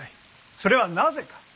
それはなぜか？